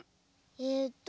えっと